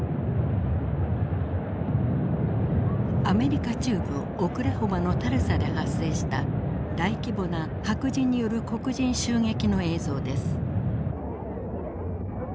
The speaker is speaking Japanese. アメリカ中部オクラホマのタルサで発生した大規模な白人による黒人襲撃の映像です。